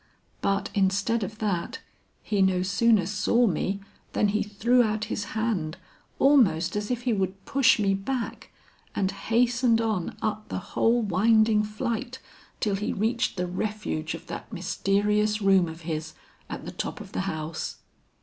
But instead of that, he no sooner saw me than he threw out his hand almost as if he would push me back, and hastened on up the whole winding flight till he reached the refuge of that mysterious room of his at the top of the house.